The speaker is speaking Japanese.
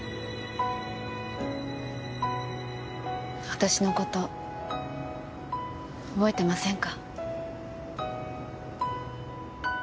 私のこと覚えてませんか？